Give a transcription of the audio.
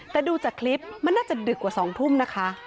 แต่ดูจากคลิปมันน่าจะดึกกว่า๒ทุ่มนะคะ